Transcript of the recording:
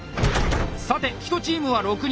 さて１チームは６人。